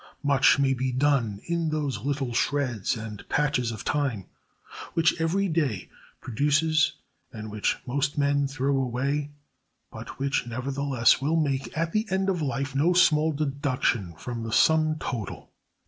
Much may be done in those little shreds and patches of time which every day produces, and which most men throw away, but which, nevertheless, will make, at the end of life, no small deduction from the sum total.